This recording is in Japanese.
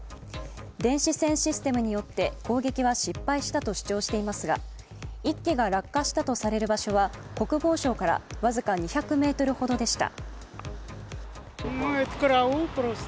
電子戦システムによって攻撃は失敗したと主張していますが１機が落下したとされる場所は国防省から僅か２００ｍほどでした。